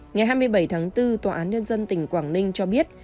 ngày hai mươi bảy tháng bốn tòa án nhân dân tỉnh quảng ninh cho biết